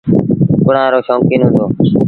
ڪُڪڙآن رو شوڪيٚن هُݩدو۔